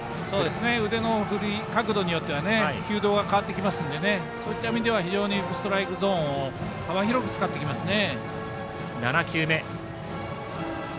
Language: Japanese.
腕の振り、角度によっては球道が変わってきますのでそういった意味ではストライクゾーンを幅広く使ってきますね。